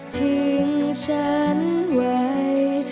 ทิ้งฉันไว้